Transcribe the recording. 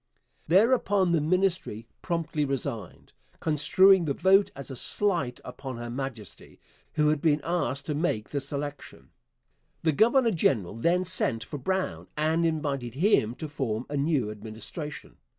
Thereupon the Ministry promptly resigned, construing the vote as a slight upon Her Majesty, who had been asked to make the selection. The governor general then sent for Brown and invited him to form a new Administration.